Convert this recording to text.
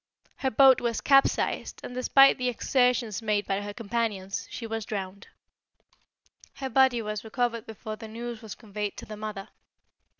Her boat was capsized, and despite the exertions made by her companions, she was drowned. Her body was recovered before the news was conveyed to the mother.